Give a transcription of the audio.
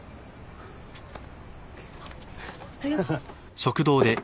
あっありがとう。